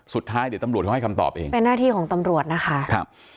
สุดท้ายเดี๋ยวตำรวจเขาให้คำตอบเองเป็นหน้าที่ของตำรวจนะคะครับ